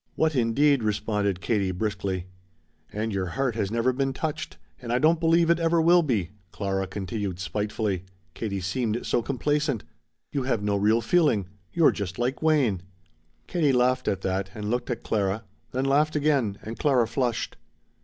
"What indeed?" responded Katie briskly. "And your heart has never been touched and I don't believe it ever will be," Clara continued spitefully Katie seemed so complacent. "You have no real feeling. You're just like Wayne." Katie laughed at that and looked at Clara; then laughed again, and Clara flushed.